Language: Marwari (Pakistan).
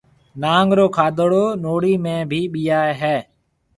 نانگ رو کادوڙو نوھڙِي ۾ ڀِي ٻيائيَ ھيََََ